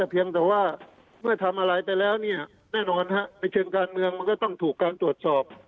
เพียงแต่ว่าเมื่อทำอะไรไปแล้วเนี่ยแน่นอนฮะในเชิงการเมืองมันก็ต้องถูกการตรวจสอบ